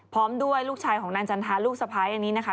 พร้อมด้วยลูกชายของนางจันทาลูกสะพ้ายอันนี้นะคะ